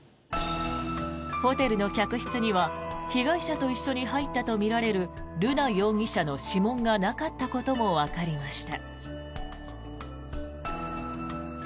ホテルの客室には被害者と一緒に入ったとみられる瑠奈容疑者の指紋がなかったこともわかりました。